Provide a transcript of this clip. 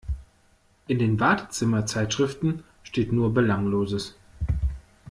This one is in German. In den Wartezimmer-Zeitschriften steht nur Belangloses.